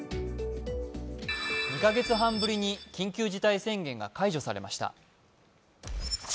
２カ月半ぶりに緊急事態宣言が解除されました。